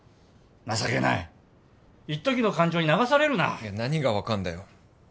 情けないいっときの感情に流されるな何が分かるんだよ